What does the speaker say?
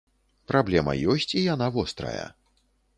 Праблема ёсць і яна вострая.